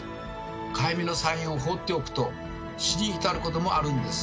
かゆみのサインを放っておくと死に至ることもあるんです。